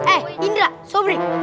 eh indra sopri